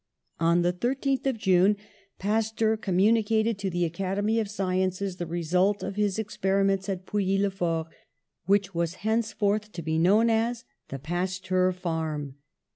On the 13th of June Pasteur communicated to the Academy of Sciences the result of his ex periments at Pouilly le Fort, which was hence forth to be known as ^The Pasteur Farm.''